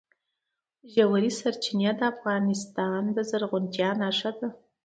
ژورې سرچینې د افغانستان د زرغونتیا نښه ده.